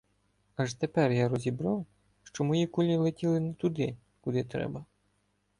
Аж тепер я розібрав, що мої кулі летіли не туди, куди треба.